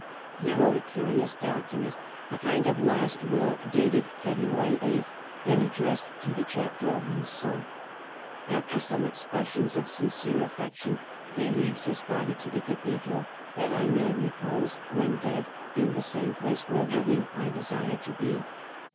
He wrote a curious document. no CARDINAL DE RICHELIEU a kind of last will, dated February 8, and addressed to the Chapter of Lugon. After some expressions of sincere affection, he leaves his body to the Cathedral, " that I may repose when dead in the same place where, living, I desire to be.